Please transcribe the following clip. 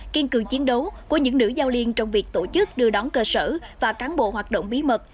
kiên cường chiến đấu của những nữ giao liên trong việc tổ chức đưa đón cơ sở và cán bộ hoạt động bí mật